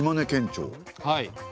はい。